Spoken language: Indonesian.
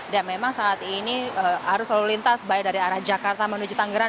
dan memang saat ini arus lalu lintas baik dari arah jakarta menuju tangerang